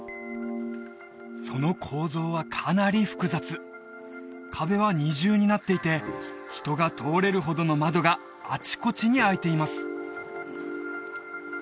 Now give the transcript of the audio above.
その構造はかなり複雑壁は二重になっていて人が通れるほどの窓があちこちに開いています